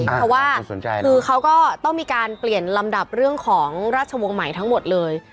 เพราะว่าคือเขาก็ต้องมีการเปลี่ยนลำดับเรื่องของราชวงศ์ใหม่ทั้งหมดเลย